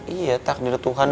iya takdir tuhan